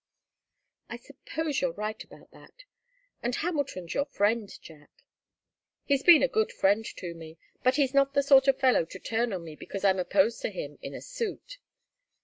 "I suppose you're right about that. And Hamilton's your friend, Jack." "He's been a good friend to me. But he's not the sort of fellow to turn on me because I'm opposed to him in a suit.